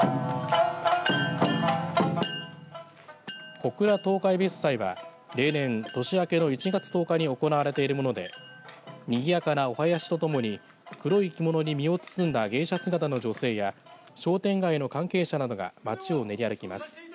小倉十日ゑびす祭は例年、年明けの１月１０日に行われているものでにぎやかなお囃子とともに黒い着物に身を包んだ芸者姿の女性や商店街の関係者などが街を練り歩きます。